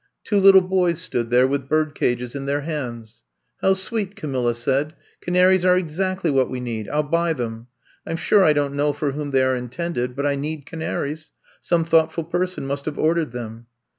Two little boys stood there with bird cages in their hands. How sweet !'' Camilla said. Canaries are exactly what we need. I '11 buy them. I 'm sure I don't know for whom they are intended, but I need canaries. Some thoughtful person must have ordered them."